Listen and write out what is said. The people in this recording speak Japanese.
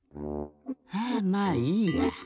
ハァまあいいや。